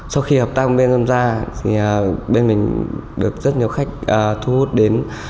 sau khi hợp tác bên giamgia bên mình được rất nhiều khách thu hút đến